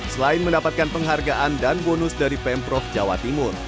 selain mendapatkan penghargaan dan bonus dari pemprov jawa timur